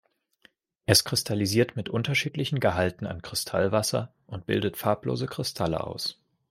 Es kristallisiert mit unterschiedlichen Gehalten an Kristallwasser und bildet farblose Kristalle aus.